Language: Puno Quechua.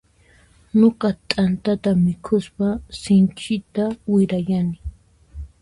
Nuqa t'antata mikhuspa sinchita wirayani.